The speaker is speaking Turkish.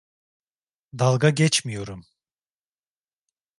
Dalga geçmiyorum.